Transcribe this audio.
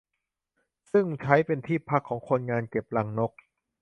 ซึ่งใช้เป็นที่พักของคนงานเก็บรังนก